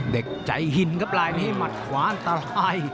เด็กใจหินครับลายนี้หมัดขวาอันตราย